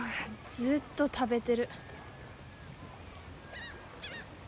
ずっと食べてる。